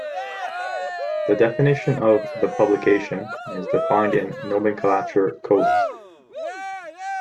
The definition of the "publication" is defined in nomenclature codes.